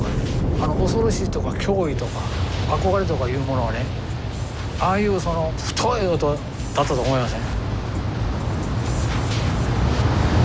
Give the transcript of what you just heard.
あの恐ろしいとか驚異とか憧れとかいうものはねああいうその太い音だったと思いません？